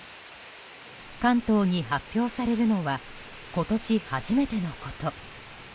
関東に発表されるのは今年初めてのこと。